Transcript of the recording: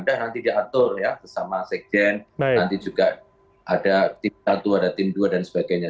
dan nanti diatur ya bersama sekjen nanti juga ada tim satu ada tim dua dan sebagainya